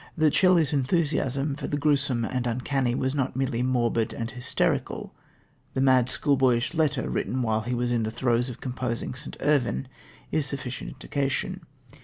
That Shelley's enthusiasm for the gruesome and uncanny was not merely morbid and hysterical, the mad, schoolboyish letter, written while he was in the throes of composing St. Irvyne, is sufficient indication.